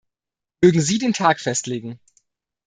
Mögen sie den Tag festlegen.